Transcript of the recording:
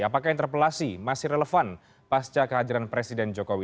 apakah interpelasi masih relevan pasca kehadiran presiden jokowi